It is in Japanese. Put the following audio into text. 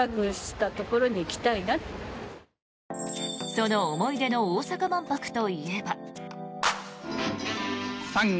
その思い出の大阪万博といえば。